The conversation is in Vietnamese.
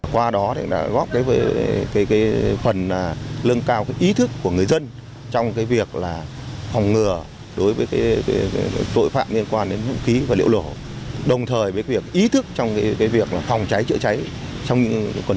qua đó góp phần lương cao ý thức của người dân trong việc phòng ngừa đối với tội phạm liên quan đến vũ khí và liệu nổ đồng thời với ý thức trong việc phòng cháy chữa cháy trong quần chúng nhân dân